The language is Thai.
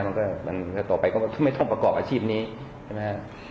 มันก็ต่อไปก็ไม่ต้องประกอบอาชีพนี้ใช่ไหมฮะ